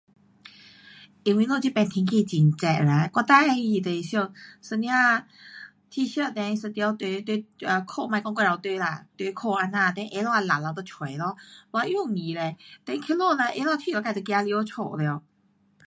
um 因为我这边天气很热啦,我最喜欢就是穿一件 t-shirt 跟一条短裤 um 裤别讲过头短啦，短裤这样，then 鞋拖套了就出咯，多容易嘞。then 回家去了自就走进去家了。